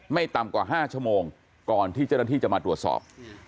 ไม่ต่ำกว่า๕ชั่วโมงก่อนที่เจ้าหน้าที่จะมาตรวจสอบ